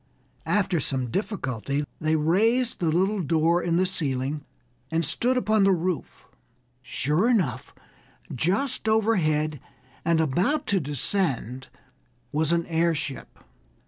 After some difficulty, they raised the little door in the ceiling and stood upon the roof. Sure enough, just overhead and about to descend was an airship.